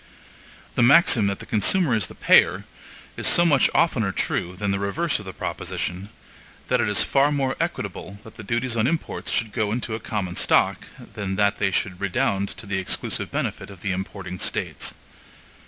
The maxim that the consumer is the payer, is so much oftener true than the reverse of the proposition, that it is far more equitable that the duties on imports should go into a common stock, than that they should redound to the exclusive benefit of the importing States.